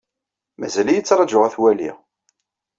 Mazal-iyi ttṛajuɣ ad t-waliɣ.